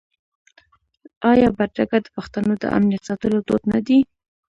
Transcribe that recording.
آیا بدرګه د پښتنو د امنیت ساتلو دود نه دی؟